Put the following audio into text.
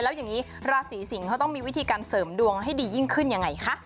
แล้วอย่างนี้ราศีสิงศ์เขาต้องมีวิธีการเสริมดวงให้ดียิ่งขึ้นยังไงคะ